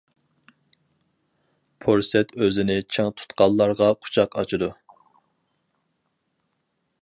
پۇرسەت ئۆزىنى چىڭ تۇتقانلارغا قۇچاق ئاچىدۇ.